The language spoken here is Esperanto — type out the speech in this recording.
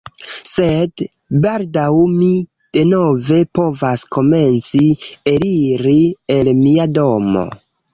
Sed baldaŭ mi denove povas komenci eliri el mia domo